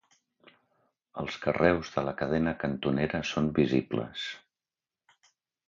Els carreus de la cadena cantonera són visibles.